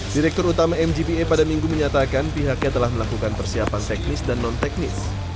direktur utama mgpa pada minggu menyatakan pihaknya telah melakukan persiapan teknis dan non teknis